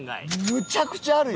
むちゃくちゃある。